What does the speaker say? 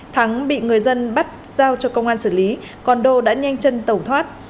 thắng bị người dân bắt giao cho công an xử lý còn đô đã nhanh chân tẩu thoát